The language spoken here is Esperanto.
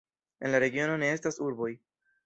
En la regiono ne estas urboj.